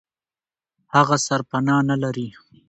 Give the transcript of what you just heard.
هغه سرپنا نه لري.